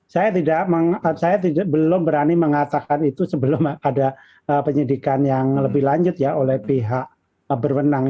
saya belum berani mengatakan itu sebelum ada penyidikan yang lebih lanjut ya oleh pihak berwenang